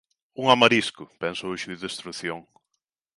Un home arisco!, pensou o xuíz de instrución.